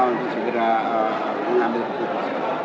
untuk segera mengambil keputusan